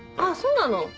あそうなの。